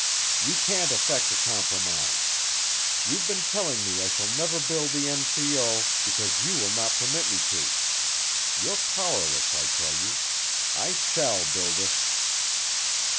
"You can't effect a compromise. You've been telling me I shall never build the N.C.O. because you will not permit me to. You're powerless, I tell you. I shall build it."